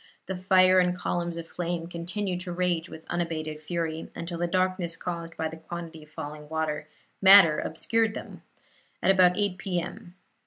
The fire and columns of flame continued to rage with unabated fury, until the darkness caused by the quantity of falling matter obscured them, at about 8 P. M.